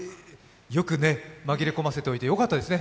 紛れ込ませておいてよかったですね。